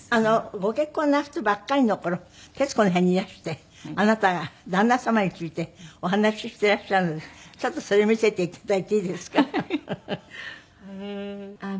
ご結婚なすったばっかりの頃『徹子の部屋』にいらしてあなたが旦那様についてお話ししていらっしゃるのでちょっとそれ見せて頂いていいですか？